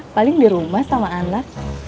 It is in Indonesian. paling di rumah sama anak